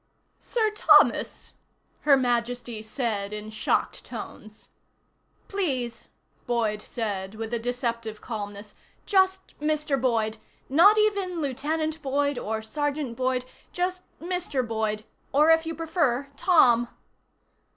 "Sir Thomas!" Her Majesty said in shocked tones. "Please," Boyd said with a deceptive calmness. "Just Mr. Boyd. Not even Lieutenant Boyd, or Sergeant Boyd. Just Mr. Boyd. Or, if you prefer, Tom."